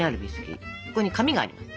そこに紙があります。